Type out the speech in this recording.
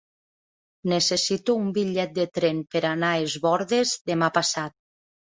Necessito un bitllet de tren per anar a Es Bòrdes demà passat.